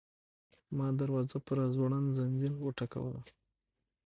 ما دروازه په راځوړند ځنځیر وټکوله.